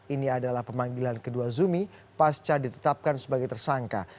ini adalah pemanggilan kedua zumi pasca ditetapkan sebagai tersangka